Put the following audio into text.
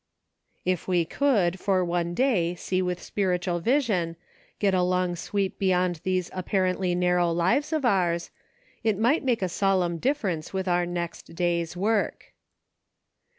" If we could, for one day, see with spiritual vision, get a long sweep beyond these apparently narrow lives of ours, it might make a solemn difference with our next day's work.